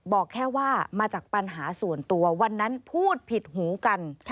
บอกแค่ว่ามาจากปัญหาส่วนตัววันนั้นพูดผิดหูกัน